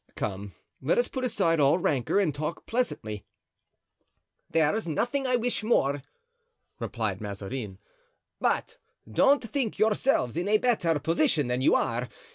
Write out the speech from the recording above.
Come, let us put aside all rancor and talk pleasantly." "There's nothing I wish more," replied Mazarin. "But don't think yourselves in a better position than you are.